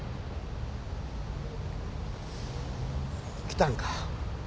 来たんか？